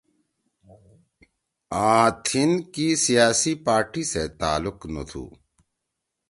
آں تھیِن کی سیاسی پارٹی سیت تعلق نہ تُھو۔